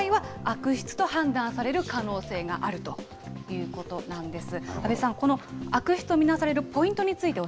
こういった場合は、悪質と判断される可能性があるということなんです。